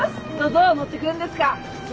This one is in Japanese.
どうぞ乗ってくれんですか。